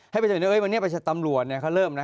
ให้ไปสมมุติว่าวันนี้ตำรวจเขาเริ่มนะ